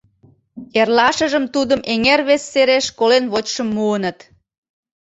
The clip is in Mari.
Эрлашыжым тудым эҥер вес сереш колен вочшым муыныт.